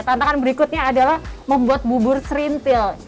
tantangan berikutnya adalah membuat bubur serintil